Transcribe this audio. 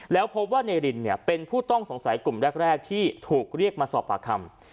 แล้วพบว่านายรินเป็นผู้ต้องสงสัยกลุ่มแรกที่ถูกเรียกมาสอบปากคำ